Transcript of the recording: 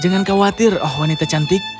jangan khawatir oh wanita cantik